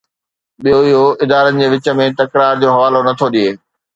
ٻيو، اهو ادارن جي وچ ۾ تڪرار جو حوالو نٿو ڏئي.